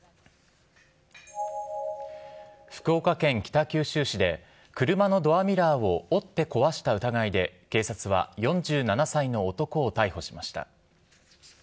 福岡県北九州市で、車のドアミラーを折って壊した疑いで警察は４７歳の男を逮捕しました。